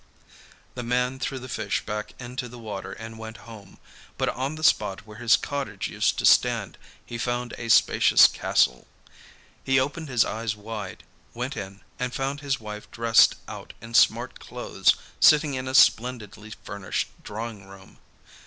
The man threw the fish back into the water, and went home. But on the spot where his cottage used to stand he found a spacious castle. He opened his eyes wide, went in and found his wife dressed out in smart clothes, sitting in a splendidly furnished drawing room.